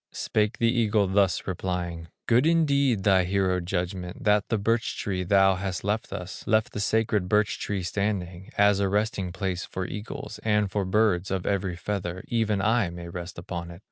Spake the eagle, thus replying: "Good indeed, thy hero judgment, That the birch tree thou hast left us, Left the sacred birch tree standing, As a resting place for eagles, And for birds of every feather, Even I may rest upon it."